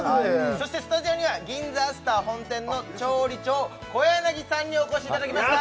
そしてスタジオには銀座アスター本店の調理長小柳さんにお越しいただきました